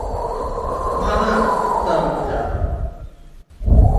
ধানা, কুত্তার বাচ্চা।